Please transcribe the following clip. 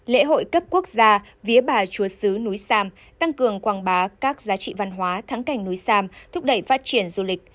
lễ hội cấp quốc gia vía bà chúa sứ núi sam tăng cường quảng bá các giá trị văn hóa thắng cảnh núi sam thúc đẩy phát triển du lịch